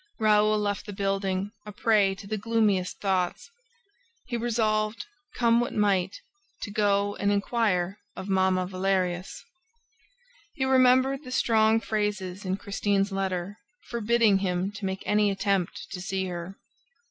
Raoul left the building a prey to the gloomiest thoughts. He resolved, come what might, to go and inquire of Mamma Valerius. He remembered the strong phrases in Christine's letter, forbidding him to make any attempt to see her.